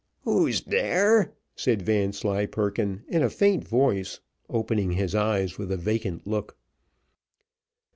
"Who's there?" said Vanslyperken in a faint voice, opening his eyes with a vacant look.